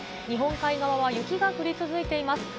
日本海側は雪が降り続いています。